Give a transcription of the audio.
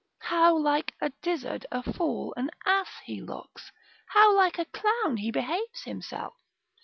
how like a dizzard, a fool, an ass, he looks, how like a clown he behaves himself!